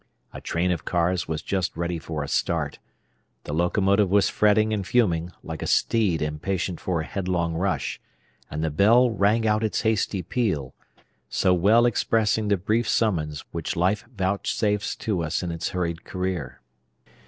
A train of cars was just ready for a start; the locomotive was fretting and fuming, like a steed impatient for a headlong rush; and the bell rang out its hasty peal, so well expressing the brief summons which life vouchsafes to us in its hurried career.